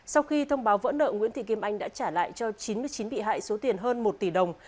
sau khi thông báo vỡ nợ nguyễn thị kim anh đã trả lại cho chín mươi chín bị hại số tiền hơn một tỷ đồng